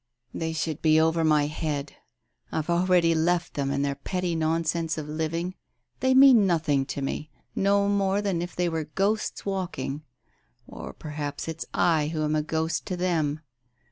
"They should be over my head. Fve already left them and their petty nonsense of living. They mean nothing to me, no more than if they were ghosts walking. Or perhaps it's I who am a ghost to them?